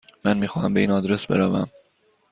من میخواهم به این آدرس بروم.